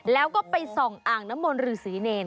แล้วก็ไปส่องอ่างน้ำมนต์ฤษีเนร